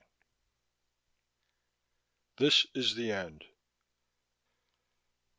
8 This is the end.